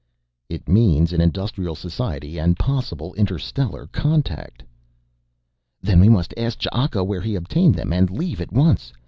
"It means an industrial society, and possible interstellar contact." "Then we must ask Ch'aka where he obtained them and leave at once.